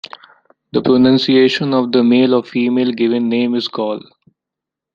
The pronunciation of the male or female given name is "gaul".